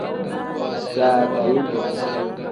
Daagaliide.